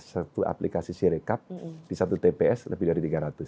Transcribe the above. satu aplikasi sirekap di satu tps lebih dari tiga ratus